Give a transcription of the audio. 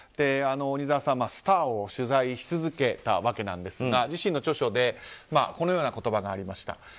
鬼沢さん、スターを取材し続けたわけですが自身の著書でこのような言葉がありました。